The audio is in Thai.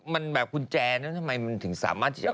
มันแบบขุนแจนี่ทำไมถึงสามารถมีหลัก